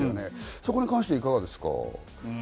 そこに関してはいかがですか？